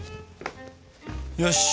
よし！